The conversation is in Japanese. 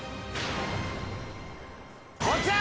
こちら！